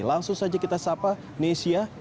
langsung saja kita sapa nesya